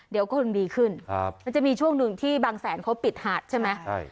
เดี๋ยวกำลังดีขึ้นมันจะมีช่วงหนึ่งที่บางแสนเขาปิดหาดใช่ไหม